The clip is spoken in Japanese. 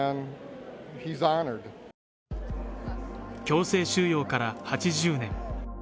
強制収容から８０年。